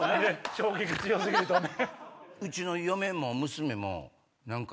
衝撃強過ぎるとね。